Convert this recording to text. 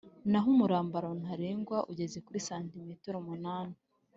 naho umurambararo ntarengwa ugeze kuri santimetero umunani